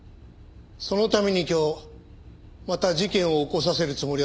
そのために今日また事件を起こさせるつもりだったんですね。